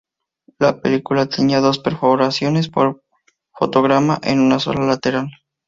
La película tenía dos perforaciones por fotograma en un solo lateral.